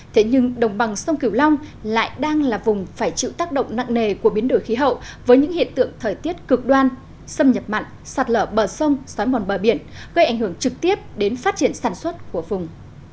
thế nhưng đồng bằng sông kiều long lại đang là vùng phải chịu tác động nặng nề của biến đổi khí hậu với những hiện tượng thời tiết cực đoan xâm nhập mặn sạt lở bờ sông xói mòn bờ biển gây ảnh hưởng trực tiếp đến phát triển sản xuất của vùng